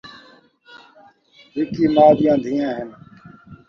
ہکی ماء دیاں دھیّاں ہن